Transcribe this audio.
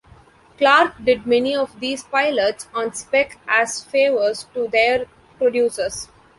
Clark did many of these pilots "on spec" as favors to their producers.